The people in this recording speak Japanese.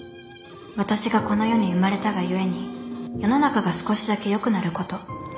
私がこの世に生まれたがゆえに世の中が少しだけよくなること。